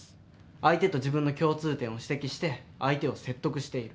相手と自分の共通点を指摘して相手を説得している。